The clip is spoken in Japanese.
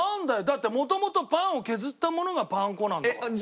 だって元々パンを削ったものがパン粉なんだから。